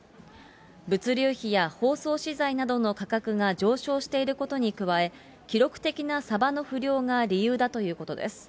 物流費や包装資材などの価格が上昇していることに加え、記録的なサバの不漁が理由だということです。